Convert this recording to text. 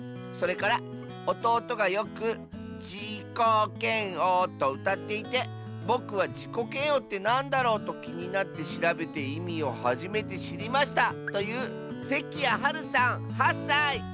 それから「おとうとがよく『じーこーけんお』とうたっていてぼくは『じこけんお』ってなんだろうときになってしらべていみをはじめてしりました」というせきやはるさん８さい！